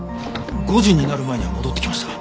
５時になる前には戻ってきました。